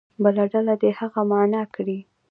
بله ډله دې هغه معنا کړي.